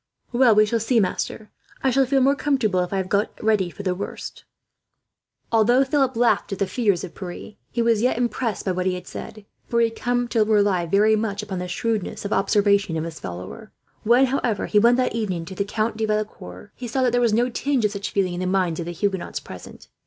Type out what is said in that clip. "Well, we shall see, master. I shall feel more comfortable if I have got ready for the worst." Although Philip laughed at the fears of Pierre, he was yet impressed by what he had said; for he had come to rely very much upon the shrewdness of observation of his follower. When, however, he went that evening to the Count de Valecourt's, he saw that there was no tinge of such feeling in the minds of the Huguenots present.